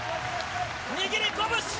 握りこぶし！